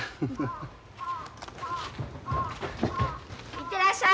行ってらっしゃい。